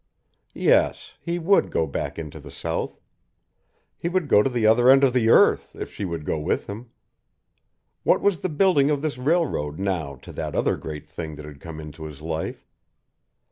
Yes, he would go back into the South he would go to the other end of the earth, if she would go with him. What was the building of this railroad now to that other great thing that had come into his life?